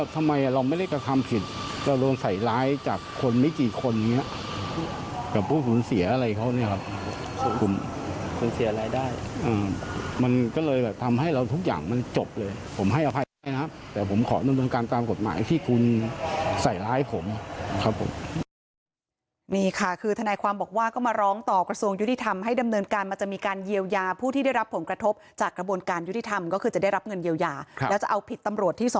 ที่คุณใส่ร้ายผม